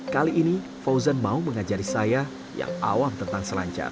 kali ini fauzan mau mengajari saya yang awam tentang selancar